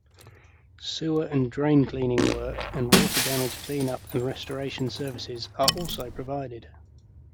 Sewer and drain-cleaning work and water damage cleanup and restoration services are also provided.